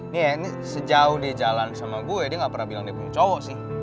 nih ya sejauh dia jalan sama gue dia gak pernah bilang dia punya cowok sih